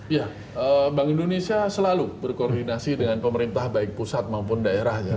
ya bank indonesia selalu berkoordinasi dengan pemerintah baik pusat maupun daerah ya